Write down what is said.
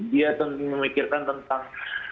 dia memikirkan tentang